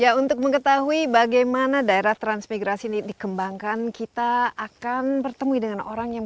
ya untuk mengetahui bagaimana daerah transmigrasi ini dikembangkan kita akan bertemu dengan orang yang